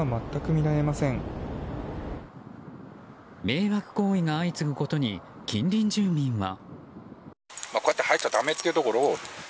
迷惑行為が相次ぐことに近隣住民は。